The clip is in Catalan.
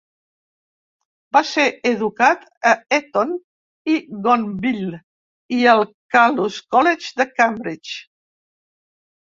Va ser educat a Eton i Gonville i al Caius College, de Cambridge.